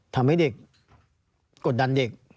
ทำให้เด็กกดดันเด็ก